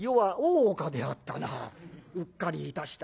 うっかりいたした。